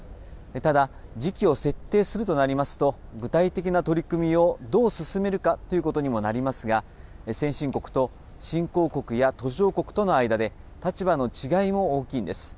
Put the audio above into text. ただ、時期を設定するとなりますと、具体的な取り組みをどう進めるかということにもなりますが、先進国と新興国や途上国との間で立場の違いも大きいんです。